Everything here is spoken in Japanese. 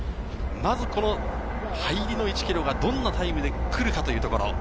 まず入りの１ｋｍがどんなタイムで来るかというところ。